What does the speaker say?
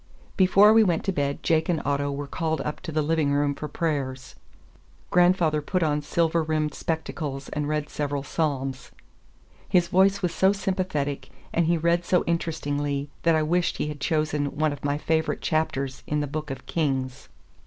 Before we went to bed Jake and Otto were called up to the living room for prayers. Grandfather put on silver rimmed spectacles and read several Psalms. His voice was so sympathetic and he read so interestingly that I wished he had chosen one of my favorite chapters in the Book of Kings.